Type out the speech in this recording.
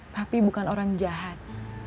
papih bukan orang jahat